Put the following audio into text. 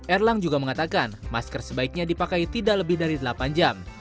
erlang juga mengatakan masker sebaiknya dipakai tidak lebih dari delapan jam